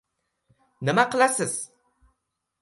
— Nima qilasiz?